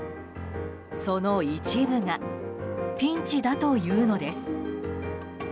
その一部がピンチだというのです。